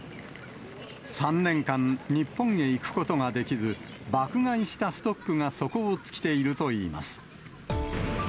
３年間、日本へ行くことができず、爆買いしたストックが底をつきているといいます。